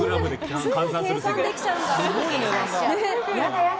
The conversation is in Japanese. すぐ計算できちゃうんだ。